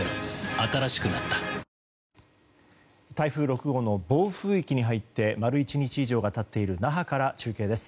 新しくなった台風６号の暴風域に入って丸１日以上が経っている那覇から中継です。